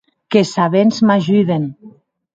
Qu’es sabents m’ajuden.